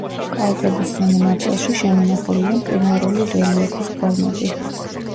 კალთების ზემო ნაწილში შემონახულია მყინვარული რელიეფის ფორმები.